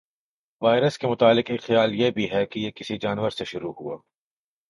virus کے متعلق ایک خیال یہ بھی ہے کہ یہ کسی جانور سے شروع ہوا